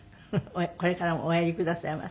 これからもおやりくださいませ。